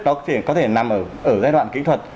đó có thể nằm ở giai đoạn kỹ thuật